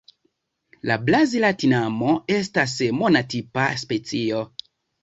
La Brazila tinamo estas monotipa specio.